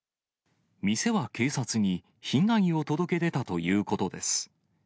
店は警察に被害を届け出たということです。